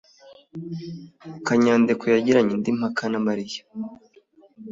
Kanyadekwe yagiranye indi mpaka na Mariya.